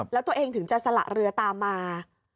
แล้วตัวเองถึงจะสละเรือตามมา